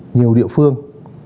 nhiều địa phương